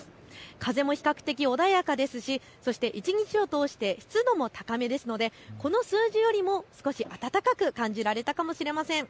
風も比較的穏やかですしそして一日を通して湿度も高めですのでこの数字よりも少し暖かく感じられたかもしれません。